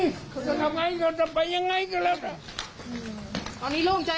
มันก็โล่งเองมีโล่งไงลูกอะ